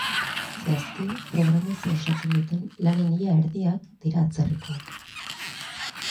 Zehazki, programazioa osatzen duten lanen ia erdiak dira atzerrikoak.